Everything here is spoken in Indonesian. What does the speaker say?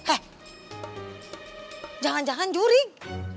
eh jangan jangan jurik